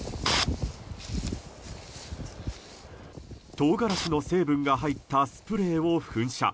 唐辛子の成分が入ったスプレーを噴射。